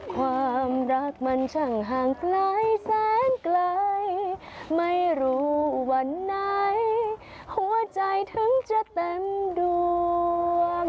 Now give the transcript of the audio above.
ความรักมันช่างห่างไกลแสนไกลไม่รู้วันไหนหัวใจถึงจะเต็มดวง